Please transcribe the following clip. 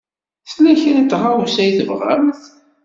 Tella kra n tɣawsa i tebɣamt?